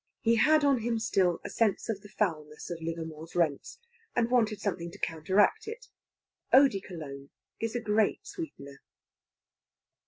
He had on him still a sense of the foulness of Livermore's Rents and wanted something to counteract it. Eau de Cologne is a great sweetener.